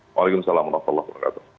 waalaikumsalam warahmatullahi wabarakatuh